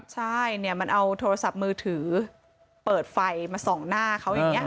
ใช่เนี่ยมันเอาโทรศัพท์มือถือเปิดไฟมาส่องหน้าเขาอย่างนี้